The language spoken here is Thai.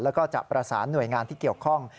แล้วก็จะประสานหน่วยงานที่เกี่ยวข้อง